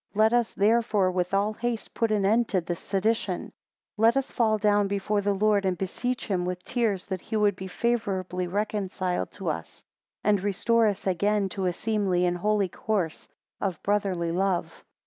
27 Let us therefore with all haste put an end to this sedition; and let us fall down before the Lord, and beseech him with tears that he would be favourably reconciled to us, and restore us again to a seemly and holy course of brotherly love.